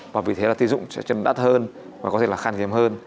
và vì thế là tiến dụng sẽ chân đắt hơn và có thể là khăn giềm hơn